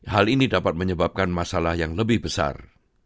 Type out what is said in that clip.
hal ini dapat menyebabkan masalah yang lebih besar